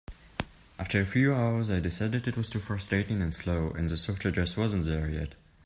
After a few hours I decided it was too frustrating and slow, and the software just wasn't there yet.